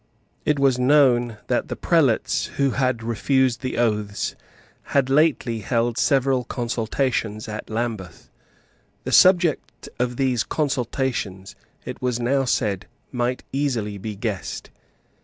It was known that the Prelates who had refused the oaths had lately held several consultations at Lambeth. The subject of those consultations, it was now said, might easily be guessed.